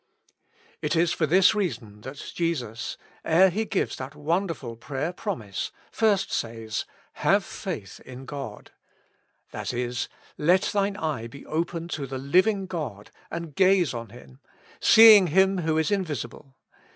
It is for this reason that Jesus, ere He gives that wonderful prayer promise, first says, " Have faith IN God." That is, let thine eye be open to the Living God, and gaze on Him, seeing Him who is Invisible.